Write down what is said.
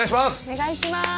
お願いします！